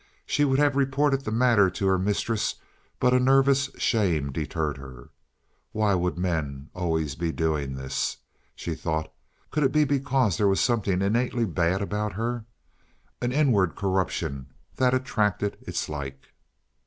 She would have reported the matter to her mistress but a nervous shame deterred her. "Why would men always be doing this?" she thought. Could it be because there was something innately bad about her, an inward corruption that attracted its like?